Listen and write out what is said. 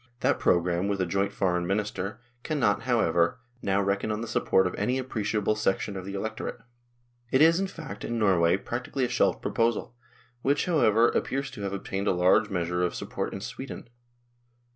That programme with a joint Foreign Minister can not, however, now reckon on the support of any appreciable section of the electorate. It is, in fact, in Norway practically a shelved proposal, which, how ever, appears to have obtained a large measure of support in Sweden.